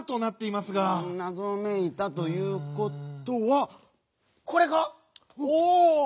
「なぞめいた」ということはこれか⁉おお！